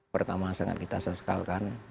pertama sangat kita sesalkan